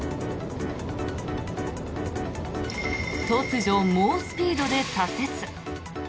突如、猛スピードで左折。